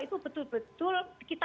itu betul betul kita